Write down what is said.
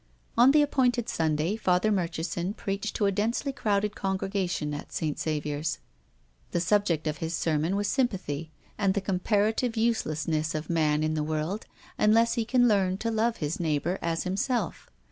On the appointed Sunday, Father Murchison preached to a densely crowded congregation at St. Saviour's. The subject of his sermon was sympathy, and the comparative uselessness of man in the world unless he can learn to love his neighbour as himself.